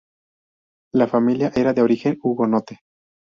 La familia era de origen hugonote.